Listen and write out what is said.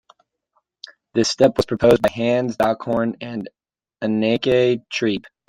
This step was proposed by Hans Dockhorn and Anneke Treep.